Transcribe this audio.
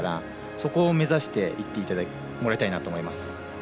そこを目指していってもらいたいなと思います。